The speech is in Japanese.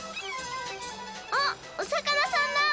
あっおさかなさんだ。